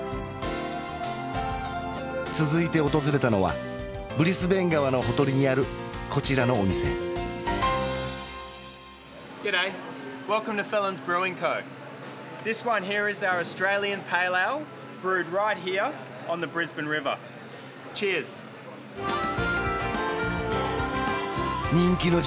続いて訪れたのはブリスベン川のほとりにあるこちらのお店人気の地